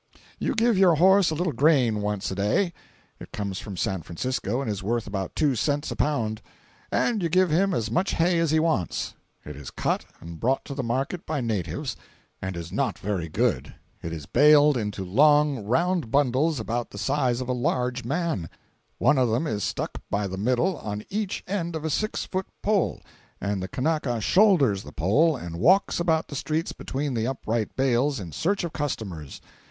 You give your horse a little grain once a day; it comes from San Francisco, and is worth about two cents a pound; and you give him as much hay as he wants; it is cut and brought to the market by natives, and is not very good it is baled into long, round bundles, about the size of a large man; one of them is stuck by the middle on each end of a six foot pole, and the Kanaka shoulders the pole and walks about the streets between the upright bales in search of customers.